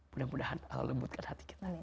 mudah mudahan allah lembutkan hati kita